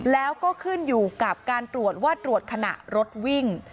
แล้วก็ขึ้นอยู่กับการตรวจว่าตรวจขณะรถวิ่ง